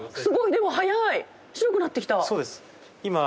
でも早い白くなってきた。